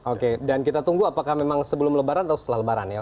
oke dan kita tunggu apakah memang sebelum lebaran atau setelah lebaran ya